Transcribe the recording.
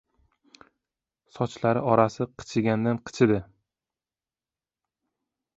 Sochlari orasi qichigandan-qichidi.